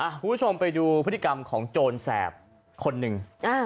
คุณผู้ชมไปดูพฤติกรรมของโจรแสบคนหนึ่ง